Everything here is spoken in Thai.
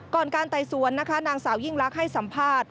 การไต่สวนนะคะนางสาวยิ่งลักษณ์ให้สัมภาษณ์